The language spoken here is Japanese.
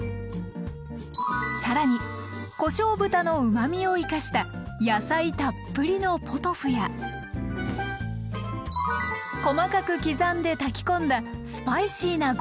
更にこしょう豚のうまみを生かした野菜たっぷりのポトフや細かく刻んで炊き込んだスパイシーなご飯もつくります。